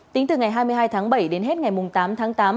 tính từ ngày hai mươi hai tháng bảy đến hết ngày tám tháng tám